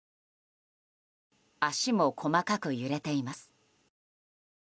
足も細かく揺れています。